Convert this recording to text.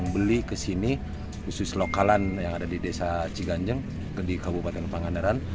beli ke sini khusus lokalan yang ada di desa ciganjeng di kabupaten pangandaran